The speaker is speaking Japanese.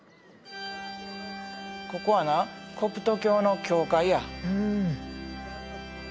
ここはなコプト教の教会や。